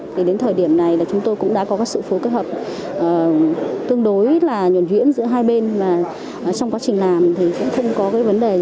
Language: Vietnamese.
thì đến thời điểm này là chúng tôi cũng đã có các sự phối hợp tương đối là nhuận duyễn giữa hai bên và trong quá trình làm thì cũng không có cái vấn đề gì xảy ra